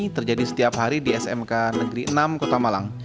terjadi setiap hari di smk negeri enam kota malang